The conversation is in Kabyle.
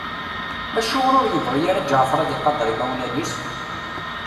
Acuɣer ur yibɣi ara Ǧeɛfer ad iqadeṛ imawlan-is?